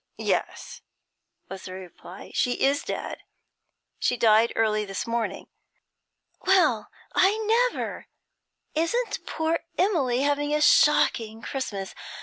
'Yes,' was the reply, 'she is dead. She died early this morning.' 'Well, I never! Isn't poor Emily having a shocking Christmas!